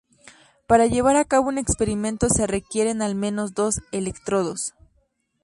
Para llevar a cabo un experimento se requieren al menos dos electrodos.